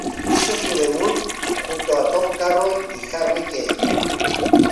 Hizo su debut junto a Tom Carroll y Harry Kane.